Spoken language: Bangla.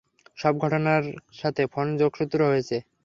সব ঘটনার সাথে ফোনের যোগসূত্র হয়েছে।